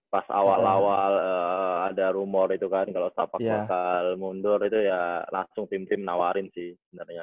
pas awal awal ada rumor itu kan kalau setapak mundur itu ya langsung tim tim nawarin sih sebenarnya